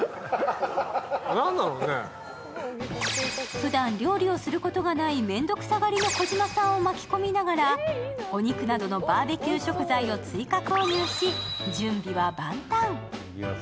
ふだん料理をすることがないめんどくさがりの児嶋さんを巻き込みながら、お肉などのバーベキュー食材を追加購入し準備は万端。